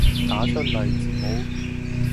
打出來字母